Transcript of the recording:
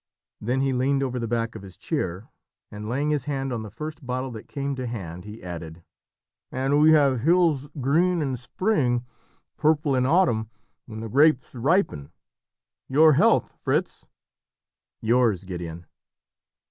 Then he leaned over the back of his chair, and laying his hand on the first bottle that came to hand, he added "And we have hills green in spring, purple in autumn when the grapes ripen. Your health, Fritz!" "Yours, Gideon!"